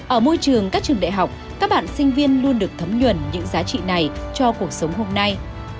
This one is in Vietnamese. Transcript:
ở môi trường các trường đại học các bạn sinh viên luôn được thấm nhuần những giá trị này cho cuộc sống hôm nay